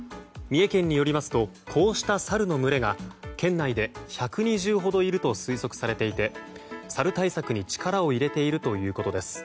三重県によりますとこうしたサルの群れが県内で１２０ほどいると推測されていてサル対策に力を入れているということです。